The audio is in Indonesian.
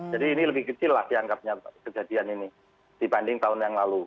jadi ini lebih kecil lah dianggapnya kejadian ini dibanding tahun yang lalu